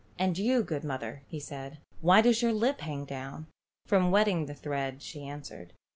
"And you, good mother," he said, "why does your lip hang down?" "From wetting the thread," she answered.